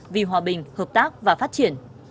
vì hòa bình hợp tác và phát triển